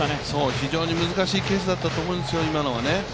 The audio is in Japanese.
非常に難しいケースだったと思うんですよ、今のはね。